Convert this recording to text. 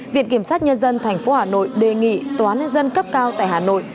viện kiểm sát nhân dân tp hà nội đề nghị tòa nên dân cấp cao tại hà nội